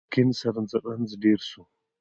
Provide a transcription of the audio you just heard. د کېنسر رنځ ډير سو